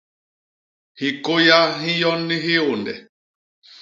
Hikôya hi nyon ni hiônde.